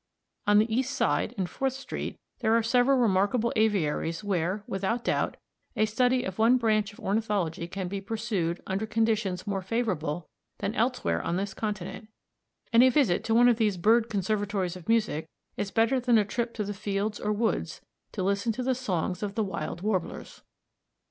On the East side, in Fourth street, there are several remarkable aviaries where, without doubt, a study of one branch of ornithology can be pursued under conditions more favorable than elsewhere on this continent, and a visit to one of these bird conservatories of music is better than a trip to the fields or woods to listen to the songs of the wild warblers.